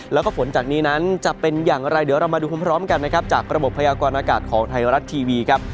แล้วก็ฝนจากนี้นั้นจะเป็นอย่างไรเดี๋ยวเรามาดูพร้อมกันนะครับจากระบบพยากรณากาศของไทยรัฐทีวีครับ